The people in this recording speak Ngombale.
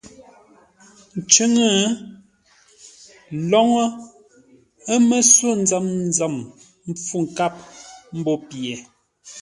I@Cúŋə́ (lóŋə́) ə́ mə́ só nzəm nzəm mpfú nkâp mbô pye.